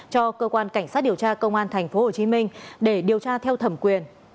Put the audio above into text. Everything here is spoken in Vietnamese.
cho cơ quan cảnh sát điều tra công an tp hcm để điều tra theo thẩm quyền